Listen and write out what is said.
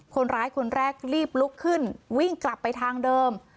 คนร้ายคนแรกรีบลุกขึ้นวิ่งกลับไปทางเดิม